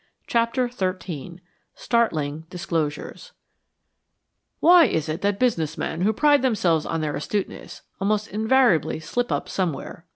CHAPTER XIII STARTLING DISCLOSURES "Why is it that business men, who pride themselves on their astuteness, almost invariably slip up somewhere?"